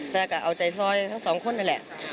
แต่ก่อนว่าเอาใจซอยทั้ง๒คนนั่นแหละ